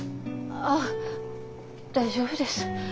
あっ大丈夫です。